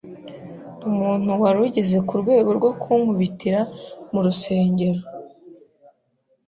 umuntu warugeze ku rwego rwo kunkubitira mu rusengero